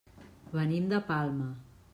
Venim de Palma.